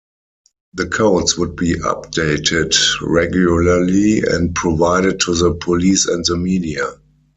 The codes would be updated regularly and provided to the police and the media.